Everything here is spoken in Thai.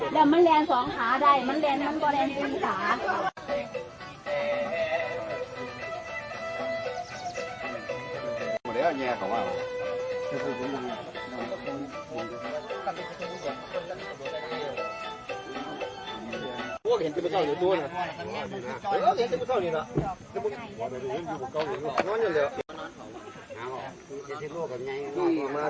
แล้วมันแลนด์สองขาได้มันแลนด์มันก็แลนด์สองขา